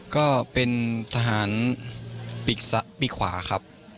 ก็เป็นทหารปีกขวาครับ